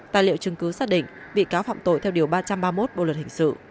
tài liệu chứng cứ xác định bị cáo phạm tội theo điều ba trăm ba mươi một bộ luật hình sự